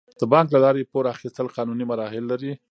د بانک له لارې پور اخیستل قانوني مراحل لري.